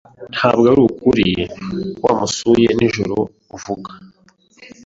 Ntabwo arukuri ko wamusuye nijoro uvugwa?